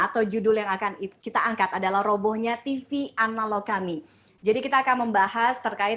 atau judul yang akan kita angkat adalah robohnya tv analog kami jadi kita akan membahas terkait